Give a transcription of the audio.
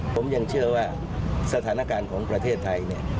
ผมยังเชื่อว่าสถานการณ์ของประเทศไทยเนี่ย